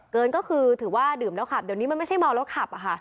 เกินก็คือถือว่าดื่มแล้วขับเดี๋ยวนี้มันไม่ใช่เมาแล้วขับอะค่ะ